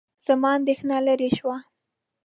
زما اندېښنه لیرې شوه.